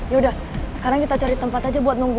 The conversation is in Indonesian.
yaudah sekarang kita cari tempat aja buat nunggu